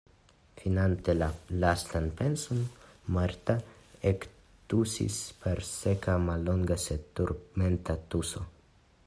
Finante la lastan penson, Marta ektusis per seka, mallonga sed turmenta tuso.